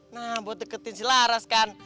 nah buat deketin si laras kan